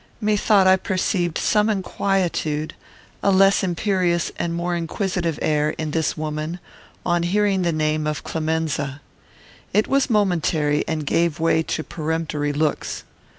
Methought I perceived some inquietude, a less imperious and more inquisitive air, in this woman, on hearing the name of Clemenza. It was momentary, and gave way to peremptory looks.